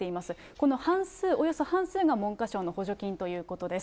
この半数、およそ半数が文科省の補助金ということです。